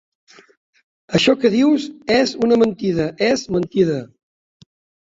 Això que dius és una mentida, és mentida.